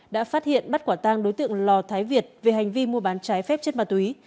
đã phát hiện bắt quả tang đối tượng lò thái việt về hành vi mua bán trái phép chất ma túy